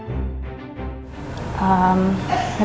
dan pasti aku akan sayang banget sama dia